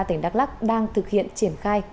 thành đắk lắc đang thực hiện triển khai